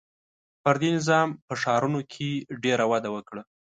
• فردي نظام په ښارونو کې ډېر وده وکړه.